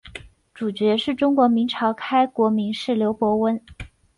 主角是中国明朝开国名士刘伯温。